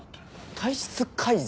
体質改善？